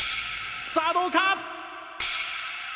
さあどうか！？